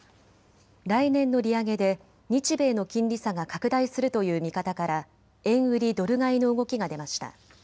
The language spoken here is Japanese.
来年の利上げで日米の金利差が拡大するという見方から円売りドル買いの動きが出ました。